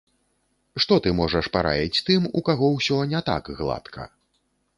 Што ты можаш параіць тым, у каго ўсё не так гладка?